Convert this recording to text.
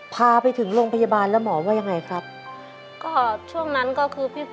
พาไปถึงโรงพยาบาลแล้วหมอว่ายังไงครับก็ช่วงนั้นก็คือพี่